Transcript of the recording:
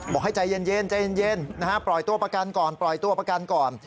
บอกให้ใจเย็นปล่อยตัวประกันก่อน